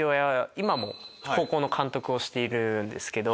今も高校の監督をしているんですけど。